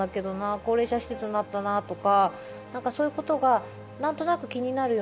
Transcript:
高齢者施設になったなとかそういうことがなんとなく気になるようになってきて。